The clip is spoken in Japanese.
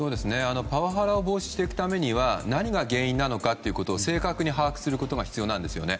パワハラを防止していくためには何が原因なのか正確に把握することが必要なんですよね。